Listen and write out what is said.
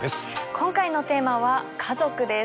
今回のテーマは家族です。